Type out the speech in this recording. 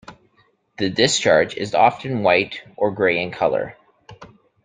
The discharge is often white or gray in color.